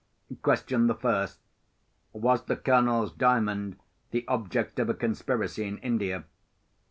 "Question the first: Was the Colonel's Diamond the object of a conspiracy in India?